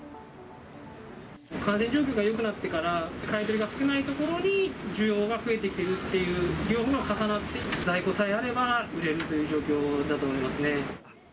感染状況がよくなってから、買い取りが少ないところに需要が増えてきているという両方が重なって、在庫さえあれば売れるという状況だと思いますね。